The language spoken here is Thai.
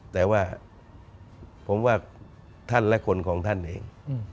แต่ว่าผมว่าท่านและคนของท่านเอง